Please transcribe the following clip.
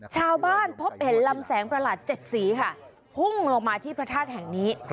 ชาวบ้านพบเห็นลำแสงประหลาด๗สีค่ะพุ่งลงมาที่พระธาตุแห่งนี้